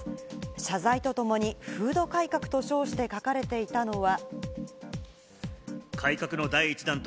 謝罪とともに、風土改革と称して書かれていたのは。